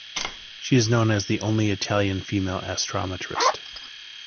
She is known as the only Italian female astrometrist.